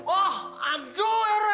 oh aduh era